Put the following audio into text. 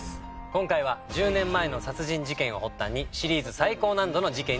今回は１０年前の殺人事件を発端にシリーズ最高難度の事件に挑みます。